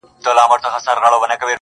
بیا به جهان راپسي ګورې نه به یمه؛